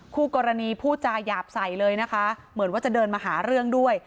คู่กรณีพูดจาหยาบใสเลยนะคะเหมือนว่าจะเดินมาหาเรื่องด้วย